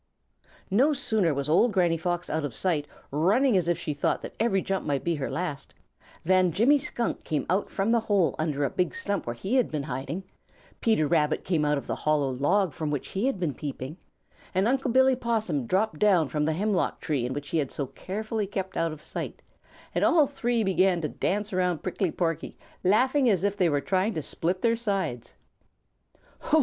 No sooner was old Granny Fox out of sight, running as if she thought that every jump might be her last, than Jimmy Skunk came out from the hole under a big stump where he had been hiding, Peter Rabbit came out of the hollow log from which he had been peeping, and Unc' Billy Possum dropped down from the hemlock tree in which he had so carefully kept out of sight, and all three began to dance around Prickly Porky, laughing as if they were trying to split their sides.